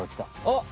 あっ！